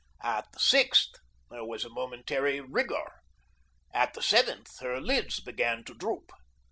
At the sixth there was a momentary rigor. At the seventh her lids began to droop.